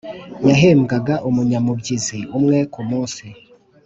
yahembwaga umunyamubyizi umwe kumunsi,